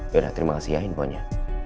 yaudah terima kasih ya infonya